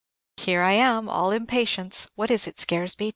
"Here I am, all impatience. What is it, Scaresby?